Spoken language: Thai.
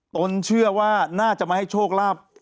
นเชื่อว่าน่าจะมาให้โชคลาภ